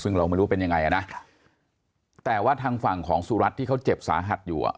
ซึ่งเราไม่รู้ว่าเป็นยังไงอ่ะนะแต่ว่าทางฝั่งของสุรัตน์ที่เขาเจ็บสาหัสอยู่อ่ะ